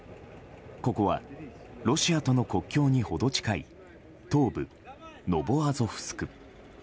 ここはロシアとの国境に程近い東部ノボアゾフスク。